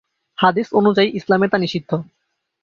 হাদিস অনুযায়ী ইসলামে তা নিষিদ্ধ।